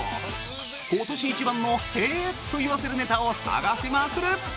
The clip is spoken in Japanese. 今年一番の「へえ」と言わせるネタを探しまくる！